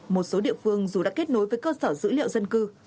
một số địa phương dù đã kết nối với cơ sở dữ liệu dân cư